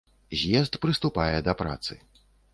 З'езд прыступае да працы.